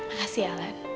makasih ya alan